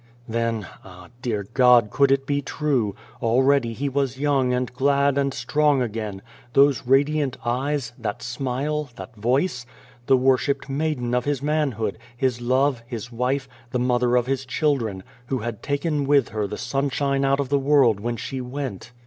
... Then, ah ! dear God, could it be true ? already he was young and glad and strong again those radiant eyes, that smile, that voice the worshipped maiden of his man hood, his love, his wife, the mother of his children, who had taken with her the sunshine out of the world when she went